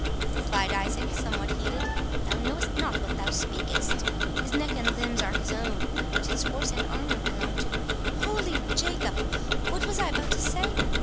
replied Isaac, somewhat heated, "thou knowest not what thou speakest—His neck and limbs are his own, but his horse and armour belong to—Holy Jacob! what was I about to say!